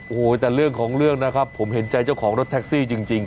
โอ้โหแต่เรื่องของเรื่องนะครับผมเห็นใจเจ้าของรถแท็กซี่จริง